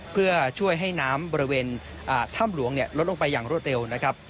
เพื่อช่วยให้น้ำบริเวณถ้ำหลวงลดลงไปอย่างรวดเร็วนะครับ